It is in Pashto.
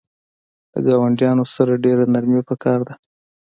د ګاونډیانو سره ډیره نرمی پکار ده